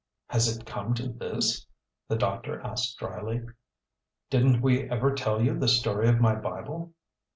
"Has it come to this?" the doctor asked dryly. "Didn't we ever tell you the story of my Bible?"